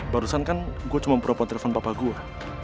barusan kan gue cuma propon telfon papa gue